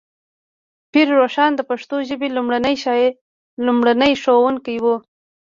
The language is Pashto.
پیر روښان د پښتو ژبې لومړنی ښوونکی و.